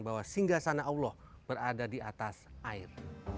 bahwa singgah sana allah berada di atas air